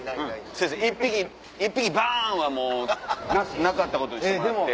先生１匹バン！はなかったことにしてもらって。